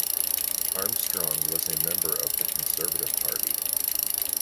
Armstrong was a member of the Conservative Party.